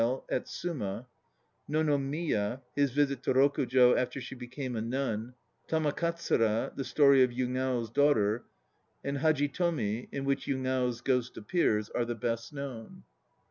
143 144 THE NO PLAYS OF JAPAN at Suma), No no Miya (his visit to Rokujo after she became a nun), Tamakatsura (the story of Yugao's daughter), and Hajitomi (in which Yugao's ghost appears) are the best known.